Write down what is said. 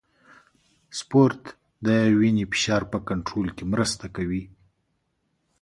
سپورت د وینې فشار په کنټرول کې مرسته کوي.